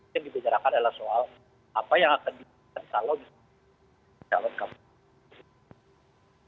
yang dibicarakan adalah soal apa yang akan diperlukan calon calon kapolri